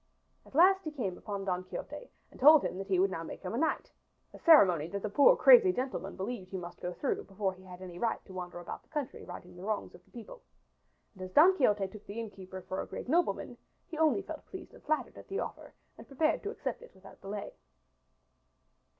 At last he came up to Don Quixote and told him that he would now make him a knight a ceremony that the poor crazy gentleman believed he must go through before he had any right to wander about the country righting the wrongs of the people. And as Don Quixote took the innkeeper for a great nobleman, he only felt pleased and flattered at the offer and prepared to accept it without delay.